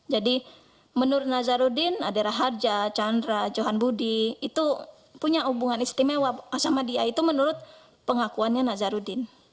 jadi menurut nazarudin adalah harja chandra johan budi itu punya hubungan istimewa sama dia itu menurut pengakuannya nazarudin